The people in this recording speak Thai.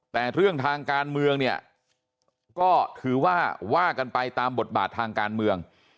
แต่เรื่องทางการเมืองเนี่ยก็ถือว่าว่ากันไปตามบทบาททางการเมือง